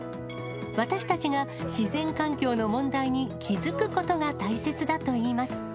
私たちが自然環境の問題に気付くことが大切だといいます。